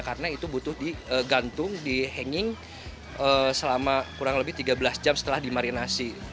karena itu butuh digantung dihanging selama kurang lebih tiga belas jam setelah dimarinasi